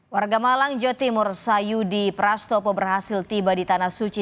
warga malang jawa timur sayudi prastopo berhasil tiba di tanah suci